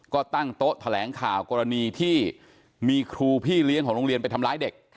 ก็ตั้งโต๊ะแถลงข่าวกรณีที่มีครูพี่เลี้ยงของโรงเรียนไปทำร้ายเด็ก